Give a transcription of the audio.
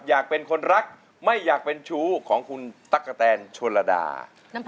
อยากเป็นคนรักไม่อยากเป็นชู้ของคุณตั๊กกะแตนชนระดา